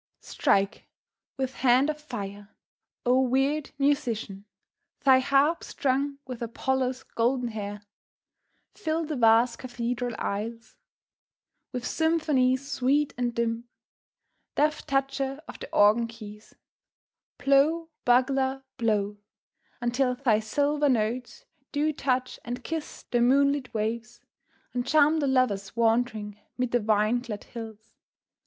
Strike, with hand of fire, O weird musician, thy harp strung with Apollo's golden hair; fill the vast cathedral aisles with symphonies sweet and dim, deft toucher of the organ keys; blow, bugler, blow, until thy silver notes do touch and kiss the moonlit waves, and charm the lovers wandering 'mid the vine clad hills.